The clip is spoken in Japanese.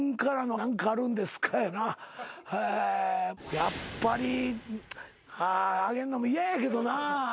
やっぱりあげんのも嫌やけどなぁ。